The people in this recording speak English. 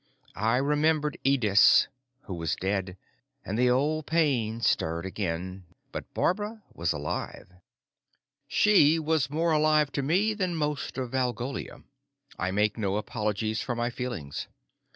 I remembered Ydis, who was dead, and the old pain stirred again. But Barbara was alive. She was more alive to me than most of Valgolia. I make no apologies for my feelings.